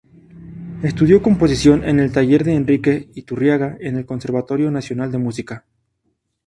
Estudió composición en el taller de Enrique Iturriaga en el Conservatorio Nacional de Música.